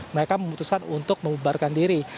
mereka memutuskan untuk membubarkan diri